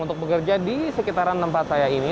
untuk bekerja di sekitaran tempat saya ini